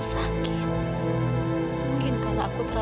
baik belangrijk untuk tengok